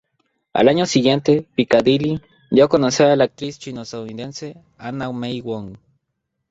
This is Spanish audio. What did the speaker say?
Al año siguiente, "Piccadilly" dio a conocer a la actriz chino-estadounidense Anna May Wong.